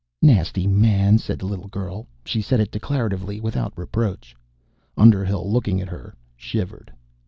"Nasty man," said the little girl. She said it declaratively, without reproach. Underhill, looking at her, shivered.